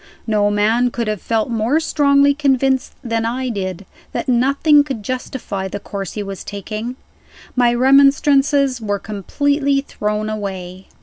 No man could have felt more strongly convinced than I did, that nothing could justify the course he was taking. My remonstrances were completely thrown away.